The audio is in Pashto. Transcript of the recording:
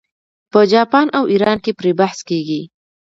په جاپان او ایران کې پرې بحث کیږي.